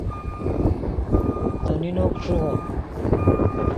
تو نینو کو ݰیغو